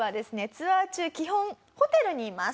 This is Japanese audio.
ツアー中基本ホテルにいます。